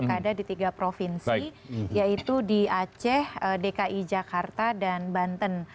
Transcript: ada di tiga provinsi yaitu di aceh dki jakarta dan banten